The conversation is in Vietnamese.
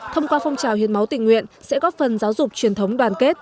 thông qua phong trào hiến máu tình nguyện sẽ góp phần giáo dục truyền thống đoàn kết